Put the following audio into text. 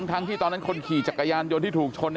ทั้งที่ตอนนั้นคนขี่จักรยานยนต์ที่ถูกชน